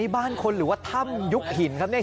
บ้านคนหรือว่าถ้ำยุคหินครับเนี่ย